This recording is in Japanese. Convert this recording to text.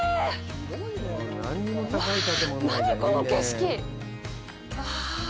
わあ、何この景色。